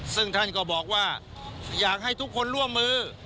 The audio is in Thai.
ซึ่งท่านก็บอกว่าอยากให้ทุกคนร่วมมือ